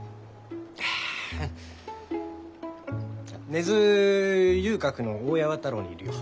根津遊郭の大八幡楼にいるよ。